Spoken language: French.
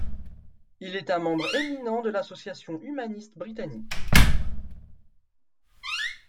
Il est un membre éminent de l'Association Humaniste Britannique.